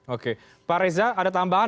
oke adanya tambahan dari anda pak